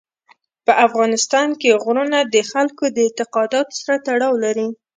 په افغانستان کې غرونه د خلکو د اعتقاداتو سره تړاو لري.